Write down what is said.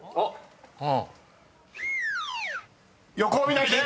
［横を見ないで。